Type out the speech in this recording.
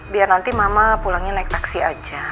biar nanti mama pulangnya naik taksi aja